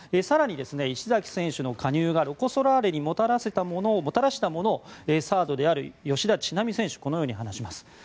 更に、石崎選手の加入がロコ・ソラーレにもたらしたものをサードである吉田知那美選手はこのように話します。